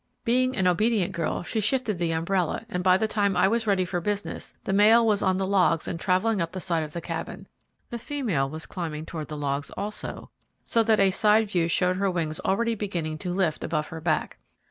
Being an obedient girl, she shifted the umbrella, and by the time I was ready for business, the male was on the logs and travelling up the side of the Cabin. The female was climbing toward the logs also, so that a side view showed her wings already beginning to lift above her back.